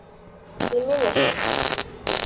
Һинең эшең!